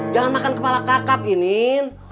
jangan makan kepala kakap i nin